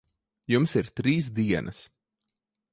Jums ir trīs dienas.